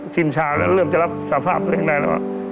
ชินชาแล้วเริ่มจะรับสภาพอะไรอย่างนั้น